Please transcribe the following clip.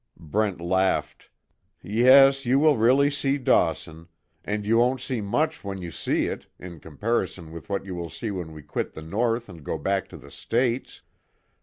Brent laughed: "Yes, you will really see Dawson and you won't see much when you see it, in comparison with what you will see when we quit the North and go back to the States.